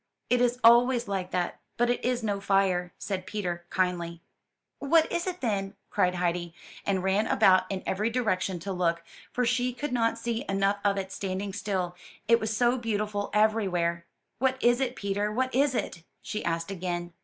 'It is always like that, but it is no fire," said Peter kindly. "What is it, then?" cried Heidi, and ran about in every direction to look; for she could not see enough of it standing still, it was so beautiful everywhere. "What is it, Peter? what is it?" she asked again.